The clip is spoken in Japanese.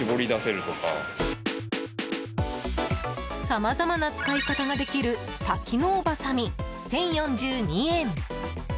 さまざまな使い方ができる多機能ばさみ、１０４２円。